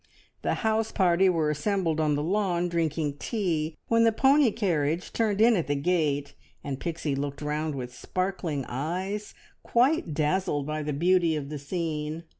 The house party were assembled on the lawn drinking tea when the pony carriage turned in at the gate, and Pixie looked round with sparkling eyes, quite dazzled by the beauty of the scene.